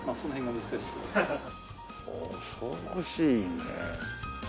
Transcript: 恐ろしいね。